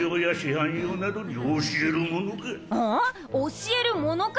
教えるものか？